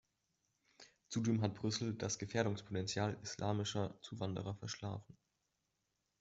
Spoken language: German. Zudem hat Brüssel das Gefährdungspotential islamischer Zuwanderer verschlafen.